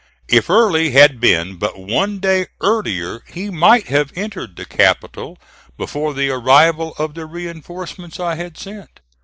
If Early had been but one day earlier he might have entered the capital before the arrival of the reinforcements I had sent.